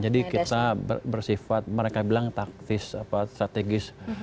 jadi kita bersifat mereka bilang taktis strategis